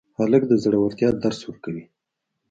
هلک د زړورتیا درس ورکوي.